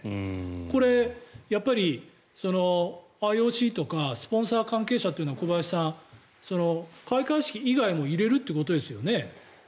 これ、やっぱりＩＯＣとかスポンサー関係者というのは小林さん、開会式以外も入れるってことですよね。